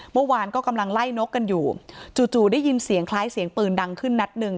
เมื่อวานก็กำลังไล่นกกันอยู่จู่ได้ยินเสียงคล้ายเสียงปืนดังขึ้นนัดหนึ่ง